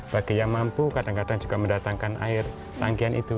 bagi yang mampu kadang kadang juga mendatangkan air tangkian itu